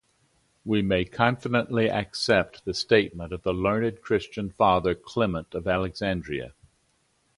We may confidently accept the statement of the learned Christian father Clement of Alexandria.